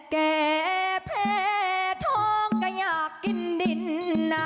แก่แพ้ท้องก็อยากกินดิน